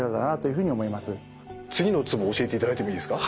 次のツボ教えていただいてもいいですか？